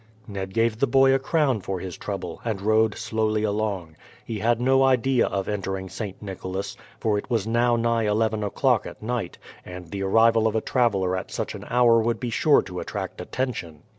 Ned gave the boy a crown for his trouble, and rode slowly along. He had no idea of entering St. Nicholas, for it was now nigh eleven o'clock at night, and the arrival of a traveller at such an hour would be sure to attract attention.